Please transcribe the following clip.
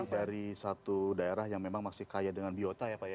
dari satu daerah yang memang masih kaya dengan biota ya pak ya